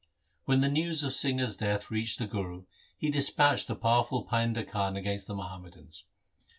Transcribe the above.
When the news of Singha's death reached the Guru he dispatched the powerful Painda Khan against the Muhammadans.